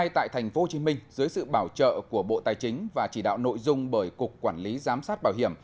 tại thành phố hồ chí minh dưới sự bảo trợ của bộ tài chính và chỉ đạo nội dung bởi cục quản lý giám sát bảo hiểm